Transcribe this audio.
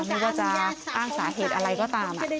ไม่ว่าจะอ้างสาเหตุอะไรก็ตาม